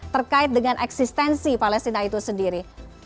terkait dengan eksistensi palestina itu sendiri